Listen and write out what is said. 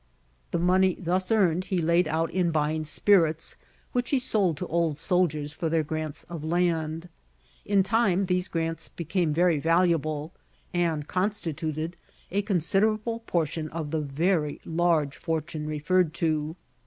The money thus earned he laid out in buying spirits, which he sold to old soldiers for their grants of land. In time these grants became very valuable, and constituted a considerable portion of the very large fortune referred to.